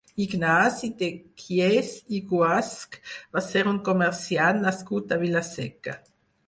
Ignasi de Kies i Guasch va ser un comerciant nascut a Vila-seca.